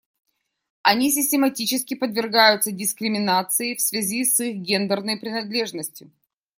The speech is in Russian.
Они систематически подвергаются дискриминации в связи с их гендерной принадлежностью.